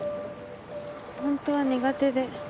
本当は苦手で。